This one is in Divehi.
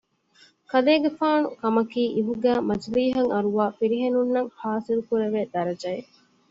ކަލޭގެފާނު ކަމަކީ އިހުގައި މަޖިލީހަށް އަރުވާ ފިރިހެނުންނަށް ޙާޞިލްކުރެވޭ ދަރަޖައެއް